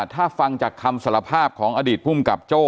ถ้าฟังจากคำสารภาพของอดีตภูมิกับโจ้